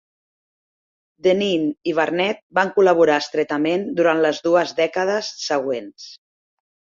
Deneen i Barnett van col·laborar estretament durant les dues dècades següents.